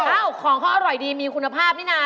ของเขาอร่อยดีมีคุณภาพนี่นะ